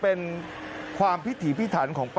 โอ้โฮ